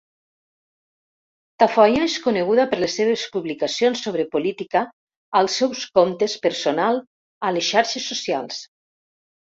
Tafoya és coneguda per les seves publicacions sobre política als seus comptes personal a les xarxes socials.